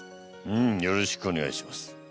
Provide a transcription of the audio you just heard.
うんよろしくお願いします。